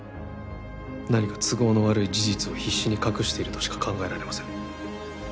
何か都合の悪い事実を必死に隠しているとしか考えられません